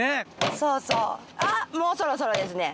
そうそうあっもうそろそろですね。